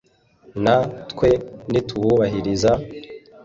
na twe nituwubahiriza,